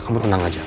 kamu tenang aja